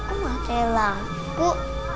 aku masih lampu